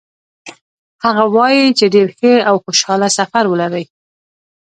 هغه وایي چې ډېر ښه او خوشحاله سفر ولرئ.